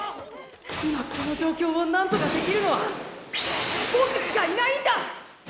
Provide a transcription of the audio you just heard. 今この状況をなんとかできるのはボクしかいないんだ！